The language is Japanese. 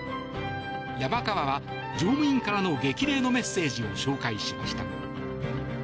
山川は乗務員からの激励のメッセージを紹介しました。